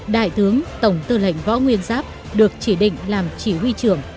đại tướng tổng tư lệnh võ nguyên giáp được chỉ định làm chỉ huy trưởng